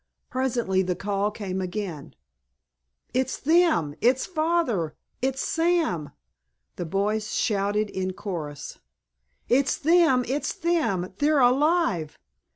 Presently the call came again. "It's them—it's Father—it's Sam!" the boys shouted in chorus. "It's them, it's them! They're alive!